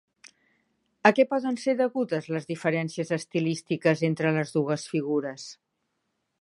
A què poden ser degudes les diferències estilístiques entre les dues figures?